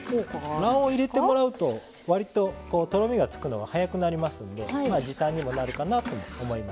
卵黄を入れてもらうと割ととろみがつくのが早くなりますので時短にもなるかなとも思います。